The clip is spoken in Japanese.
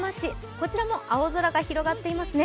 こちらも青空が広がっていますね。